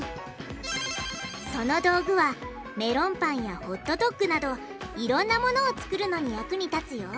その道具はメロンパンやホットドッグなどいろんなものを作るのに役に立つよ！